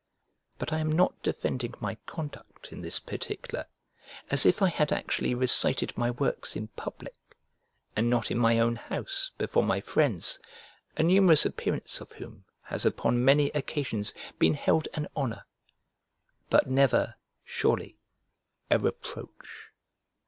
But I am not defending my conduct in this particular, as if I had actually recited my works in public, and not in my own house before my friends, a numerous appearance of whom has upon many occasions been held an honour, but never, surely, a reproach.